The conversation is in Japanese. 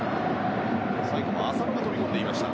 最後は浅野が飛び込みました。